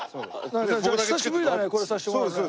久しぶりだねこれさせてもらうのね。